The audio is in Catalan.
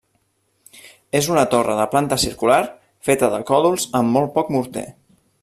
És una torre de planta circular feta de còdols amb molt poc morter.